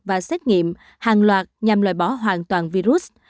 và xét nghiệm hàng loạt nhằm loại bỏ hoàn toàn virus